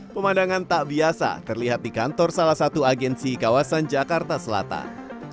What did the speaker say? pemandangan tak biasa terlihat di kantor salah satu agensi kawasan jakarta selatan